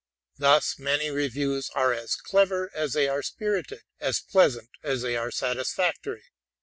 Thus many reviews are as clever as they are spirited, as pleasant as they are satisfactory.